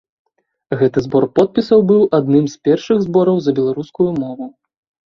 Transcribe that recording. Гэты збор подпісаў быў адным з першых збораў за беларускую мову.